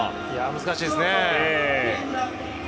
難しいですね。